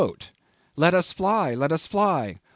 "Let us fly, let us fly!